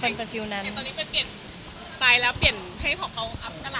มีปิดฟงปิดไฟแล้วถือเค้กขึ้นมา